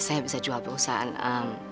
saya bisa jual perusahaan